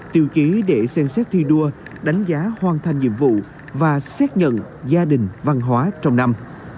tiêu chí để xem xét thi đua đánh giá hoàn thành nhiệm vụ và xác nhận gia đình văn hóa trong năm